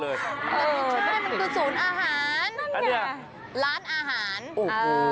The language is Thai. เออใช่มันคือศูนย์อาหารร้านอาหารอันนี้โอ้โฮ